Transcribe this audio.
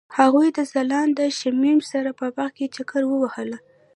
هغوی د ځلانده شمیم سره په باغ کې چکر وواهه.